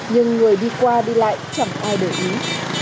nhưng người đi qua đi lại chẳng có